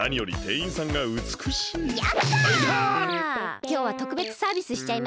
きょうはとくべつサービスしちゃいますね。